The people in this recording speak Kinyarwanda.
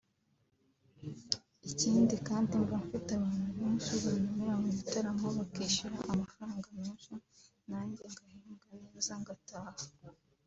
Ikindi kandi mbafite abantu benshi bantumira mu bitaramo bakishyura amafaranga menshi nanjye ngahembwa neza ngataha